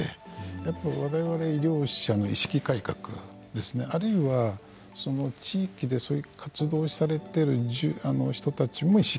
やっぱりわれわれ医療者の意識改革ですねあるいは、地域でそういう活動をされてる人たちも意識。